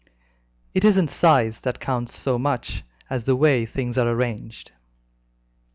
"It isn't size that counts so much as the way things are arranged."